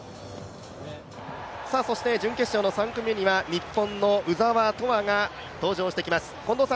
そして準決勝の３組目には日本の鵜澤飛羽が登場してきます。